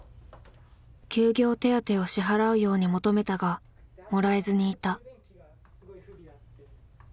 休業手当を支払うように求めたがもらえずにいた。